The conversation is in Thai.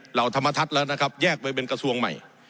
เหล่าธรรมทัศน์แล้วนะครับแยกไปเป็นกระทรวงใหม่